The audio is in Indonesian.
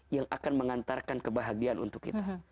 yang akan mengantarkan kebahagiaan untuk kita